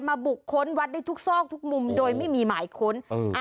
บุกค้นวัดได้ทุกซอกทุกมุมโดยไม่มีหมายค้น